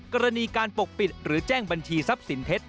กรณีการปกปิดหรือแจ้งบัญชีทรัพย์สินเท็จ